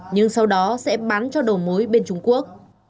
nhưng sau đó sẽ bán cho đầu mối bên trung quốc